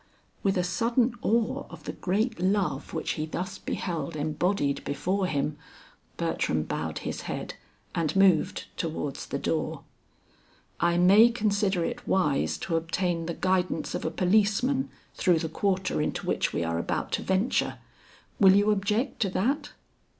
With a sudden awe of the great love which he thus beheld embodied before him, Bertram bowed his head and moved towards the door. "I may consider it wise to obtain the guidance of a policeman through the quarter into which we are about to venture. Will you object to that?"